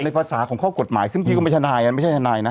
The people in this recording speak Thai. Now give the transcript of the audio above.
ในภาษาของข้อกฎหมายซึ่งพี่ก็ไม่ใช่ชนายนะ